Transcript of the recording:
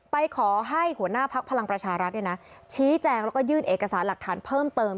ไปขอให้หัวหน้าภักดิ์พลังประชารัฐชี้แจงแล้วก็ยื่นเอกสารหลักฐานเพิ่มเติม